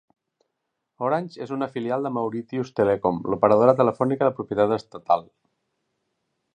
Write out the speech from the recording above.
Orange és una filial de Mauritius Telecom, l'operadora telefònica de propietat estatal.